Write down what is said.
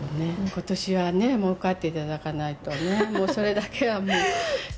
ことしはね、もう受かっていただかないとね、もうそれだけはもう。